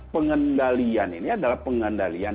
pengendalian ini adalah pengendalian